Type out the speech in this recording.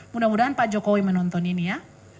mudah mudahan pak jokowi menonton ini ya